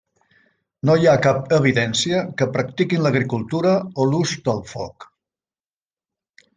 No hi ha cap evidència que practiquin l'agricultura o l'ús del foc.